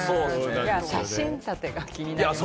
写真立てが気になります。